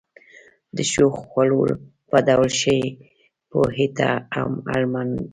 د ښو خوړو په ډول ښې پوهې ته هم اړمن یو.